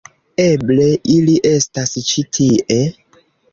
Eble ili estas ĉi tie.